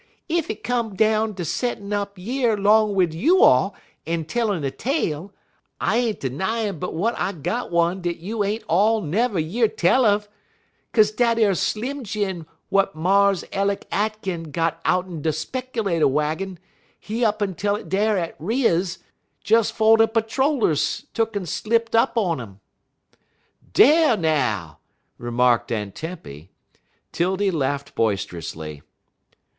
Ef it come down ter settin' up yer 'long wid you all en tellin' a tale, I ain't 'nyin' but w'at I got one dat you all ain't never year tell un, 'kaze dat ar Slim Jim w'at Mars Ellick Akin got out'n de speckerlater waggin, he up'n tell it dar at Riah's des 'fo' de patter rollers tuck'n slipt up on um." "Dar now!" remarked Aunt Tempy. 'Tildy laughed boisterously.